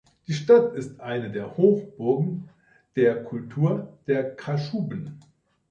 Die Stadt ist eine der Hochburgen der Kultur der Kaschuben.